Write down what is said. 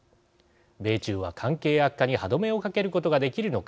米中は関係悪化に歯止めをかけることができるのか。